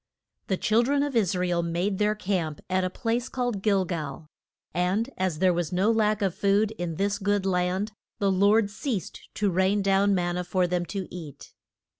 The chil dren of Is ra el made their camp at a place called Gil gal; and as there was no lack of food in this good land, the Lord ceased to rain down man na for them to eat.